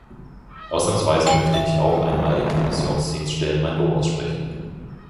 Ausnahmsweise möchte ich auch einmal den Kommissionsdienststellen mein Lob aussprechen.